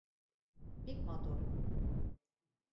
Бик матур.